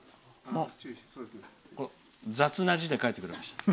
雑な字で書いてくれました。